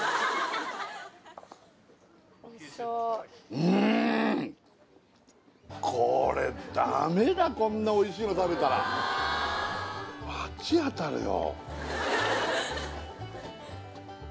うーんこれダメだこんな美味しいの食べたら罰当たるよ